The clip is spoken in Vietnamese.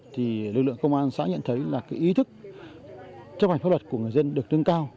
thì lực lượng công an xã nhận thấy là cái ý thức chấp hành pháp luật của người dân được nâng cao